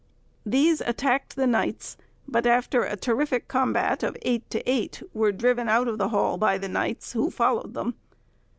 These attacked the knights, but after a terrific combat of eight to eight, were driven out of the hall by the knights, who followed them.